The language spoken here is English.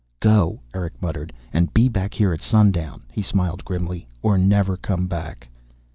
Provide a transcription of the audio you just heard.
"Go," Erick muttered. "And be back here at sundown." He smiled grimly. "Or never come back."